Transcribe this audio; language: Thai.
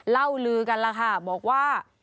เล่าลือกันล่ะค่ะบอกว่า